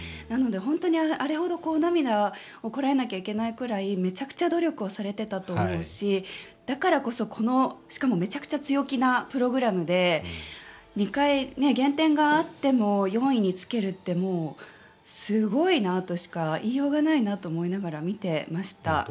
なので、本当にあれほど涙をこらえなきゃいけないくらいめちゃくちゃ努力をされていたと思うしだからこそしかもめちゃくちゃ強気なプログラムで２回減点があっても４位につけるってすごいなとしか言いようがないなと思いながら見ていました。